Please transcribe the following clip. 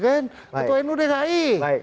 ketua anu dki